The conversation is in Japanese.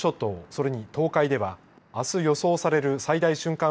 それに東海ではあす予想される最大瞬間